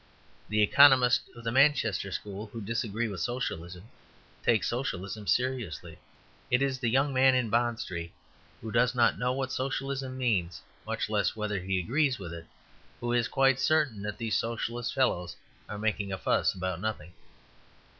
The economists of the Manchester school who disagree with Socialism take Socialism seriously. It is the young man in Bond Street, who does not know what socialism means much less whether he agrees with it, who is quite certain that these socialist fellows are making a fuss about nothing.